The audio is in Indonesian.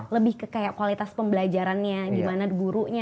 lebih ke kayak kualitas pembelajarannya gimana gurunya